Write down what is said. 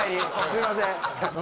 すいません。